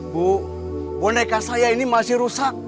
bu boneka saya ini masih rusak